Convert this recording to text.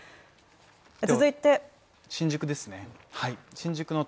続いて、新宿ですね。